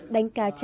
đánh ca trả